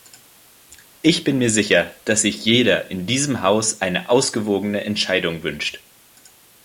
Ich bin mir sicher, dass sich jeder in diesem Haus eine ausgewogene Entscheidung wünscht.